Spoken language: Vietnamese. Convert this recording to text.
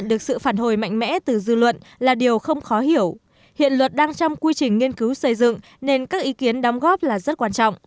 đang trong quy trình nghiên cứu xây dựng nên các ý kiến đóng góp là rất quan trọng